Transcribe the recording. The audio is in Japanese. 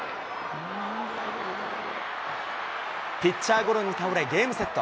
ピッチャーゴロに倒れ、ゲームセット。